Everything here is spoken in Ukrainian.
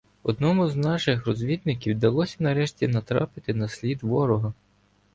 Одному з наших розвідників вдалося нарешті натрапити на слід ворога.